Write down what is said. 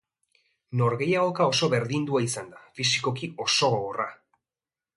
Norgehiagoka oso berdindua izan da, fisikoki oso gogorra.